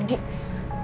dia udah keliatan